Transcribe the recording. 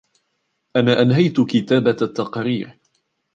أنا أنهيت كتابة التقرير.